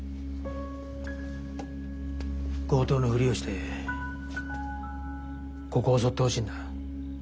強盗のフリをしてここを襲ってほしいんだ。